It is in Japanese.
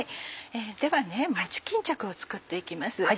ではもち巾着を作って行きます。